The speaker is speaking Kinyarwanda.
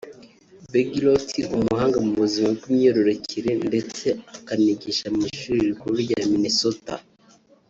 Peggy Rot umuhanga mu buzima bw’imyororokere ndetse akanigisha mu ishuli rikuru rya Minnesota